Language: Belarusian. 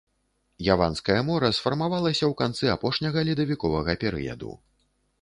Яванскае мора сфармавалася ў канцы апошняга ледавіковага перыяду.